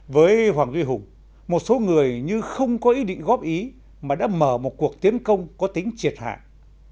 với hoàng duy hùng một số người như không có ý định góp ý mà đã mở một cuộc tiến công có tính triệt hạ